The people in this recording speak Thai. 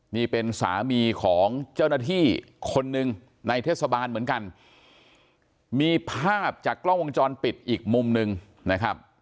นี่เป็นสามีของเจ้าหน้าที่คนหนึ่งในเทศบาลเหมือนกันมีภาพจากกล้องวงจรปิดอีกมุมหนึ่งนะครับ